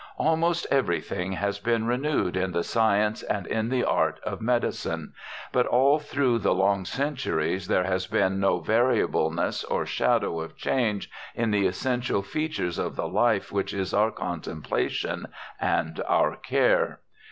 Almost everything has been renewed in the science and in the art of medicine, but all through the long centuries there has been no variableness or shadow of change in the essential features of the life which is our contemplation and our care.